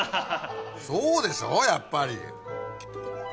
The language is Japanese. そうでしょやっぱり。